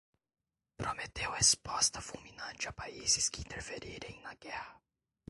prometeu resposta fulminante a países que interferirem na guerra